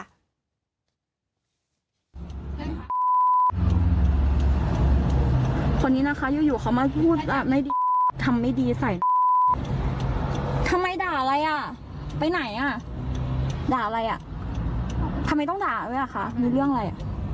อันดับสุดในรูปข้างบนข้างเคย